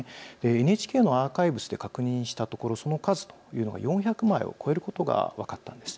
ＮＨＫのアーカイブスで確認したところその数というのは４００枚を超えることが分かっています。